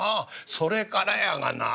それからやがなあ